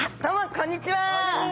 こんにちは。